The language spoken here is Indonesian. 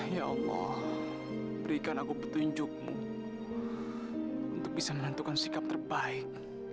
ya allah berikan aku petunjukmu untuk bisa menentukan sikap terbaik